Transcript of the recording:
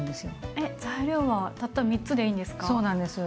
えっ材料はたった３つでいいんですか？